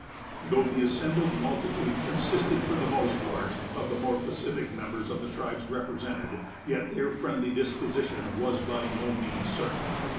Though the assembled multitude consisted, for the most part, of the more pacific members of the tribes represented, yet their friendly disposition was by no means certain.